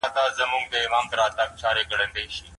د آزادۍ اصلي مانا څه ده؟